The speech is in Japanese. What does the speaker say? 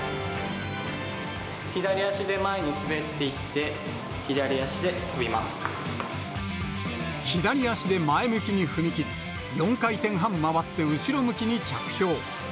左足で前に滑っていって、左足で前向きに踏み切り、４回転半回って後ろ向きに着氷。